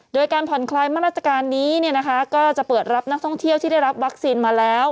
โดยการผ่อนคลายมาตรการนี้ก็จะเปิดรับนักท่องเที่ยวที่ได้รับวัคซีนมาแล้ว